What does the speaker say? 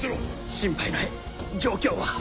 心配ない状況は？